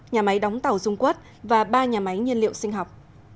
nhà máy đóng tàu dung quất và ba nhà máy nhiên liệu sinh học